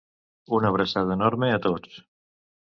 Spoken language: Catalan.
Una abraçada enorme a tots.